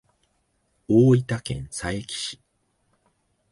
大分県佐伯市